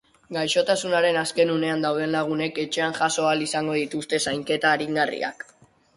Gaixotasunaren azken unean dauden lagunek etxean jaso ahal izango dituzte zainketa aringarriak.